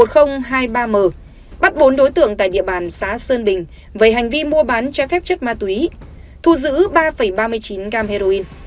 công an huyện tam đường tỉnh lai châu bắt bốn đối tượng tại địa bàn xá sơn bình với hành vi mua bán trái phép chất ma túy thu giữ ba ba mươi chín gam heroin